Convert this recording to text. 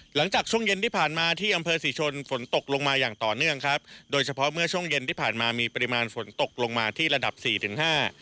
หลังจากช่วงเย็นที่ผ่านมาที่อำเภอศรีชนฝนตกลงมาอย่างต่อเนื่องครับโดยเฉพาะเมื่อช่วงเย็นที่ผ่านมามีปริมาณฝนตกลงมาที่ระดับสี่ถึงห้า